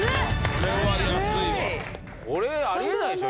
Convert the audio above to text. これは安いわこれあり得ないでしょ